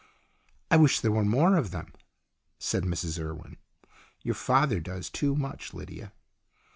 " I wish there were more of them," said Mrs Urwen. " Your father does too much, Lydia."